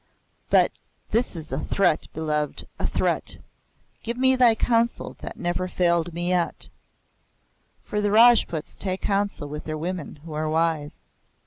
But it is a threat, Beloved a threat! Give me thy counsel that never failed me yet." For the Rajputs take counsel with their women who are wise.